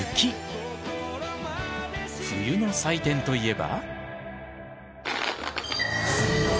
冬の祭典といえば。